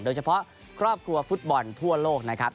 โดยเฉพาะครอบครัวฟุตบอลทั่วโลกนะครับ